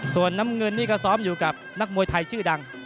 ส่วนน้ำเงินนี่ก็ซ้อมอยู่กับนักมวยไทยชื่อดัง